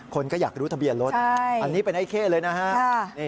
คนก็อยากรู้ทะเบียนรถอันนี้เป็นไอ้เข้เลยนะฮะ